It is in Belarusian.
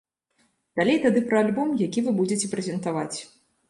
Далей тады пра альбом, які вы будзеце прэзентаваць.